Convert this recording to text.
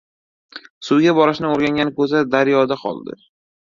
• Suvga borishni o‘rgangan ko‘za daryoda qoldi.